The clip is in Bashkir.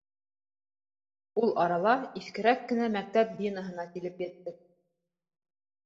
Ул арала иҫкерәк кенә мәктәп бинаһына килеп еттек.